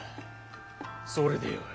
それでよい。